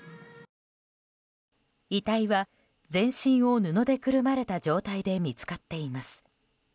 遺体は全身を布でくるまれた状態で見つかっています。